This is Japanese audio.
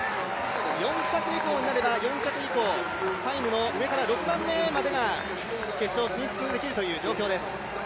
４着以降になればタイムの上から６番目までが決勝進出できるという状況です。